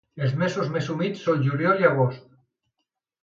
Els mesos més humits són juliol i agost.